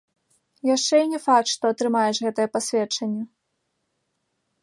Яшчэ і не факт, што атрымаеш гэтае пасведчанне.